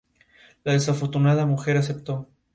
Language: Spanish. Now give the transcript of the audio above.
La desafortunada mujer aceptó.